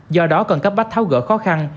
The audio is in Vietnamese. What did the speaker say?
do đó cần cấp bách tháo gỡ khó khăn